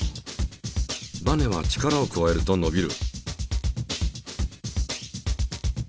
バネは力を加えるとのびる。